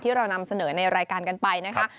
เรานำเสนอในรายการกันไปนะคะ